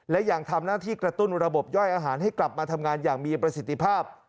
และยังทำหน้าที่กระตุ้นระบบย่อยอาหารให้กลับมาทำงานอย่างมีประสิทธิภาพ